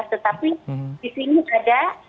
tetapi di sini ada